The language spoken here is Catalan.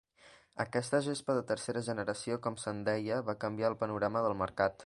Aquesta gespa de tercera generació, com se'n deia, va canviar el panorama del mercat.